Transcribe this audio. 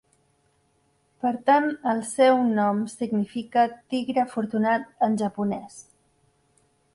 Per tant, el seu nom significa, "tigre afortunat" en japonès.